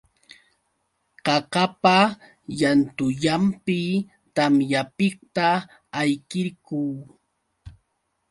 Qaqapa llantullanpi tamyapiqta ayqirquu.